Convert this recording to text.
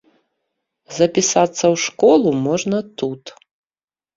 Запісацца ў школу можна тут.